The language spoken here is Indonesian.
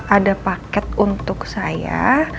ada paket untuk saya